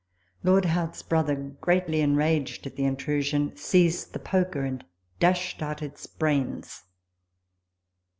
Lord Howth's brother, greatly enraged at the intrusion, seized the poker, and dashed out its brains.